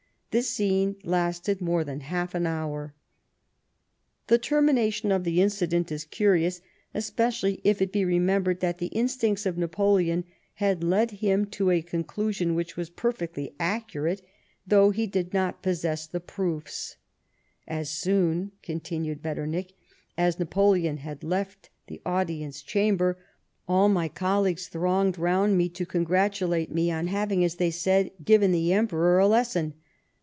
This scene lasted more than half an hour." The termination of the Incident is curious, especially if it be remembered that the instincts of Napoleon had led him to a conclusion which was perfectly accurate, though he did not possess the proofs, " As soon," continued Metternich, " as Napoleon had left the audience chamber, all my colleagues thronged round me, to congratulate me on having, as they said, given the Emperor a lesson.